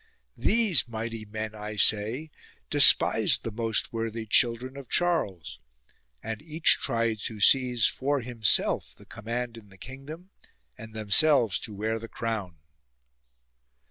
— these mighty men, I say, despised the most worthy children of Charles, and each tried to seize for himself the command in the kingdom and themselves to wear the crown.